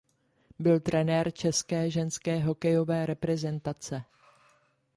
Byl trenér české ženské hokejové reprezentace.